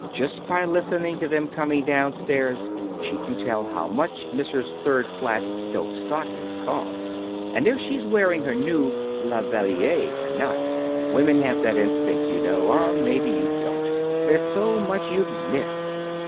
Just by listening to them coming downstairs she can tell how much Mrs. Third Flat's silk stockings cost, and if she's wearing her new La Valliere or not. Women have that instinct, you know. Or maybe you don't. There's so much you've missed."